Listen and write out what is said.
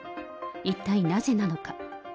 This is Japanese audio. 一体なぜなのか。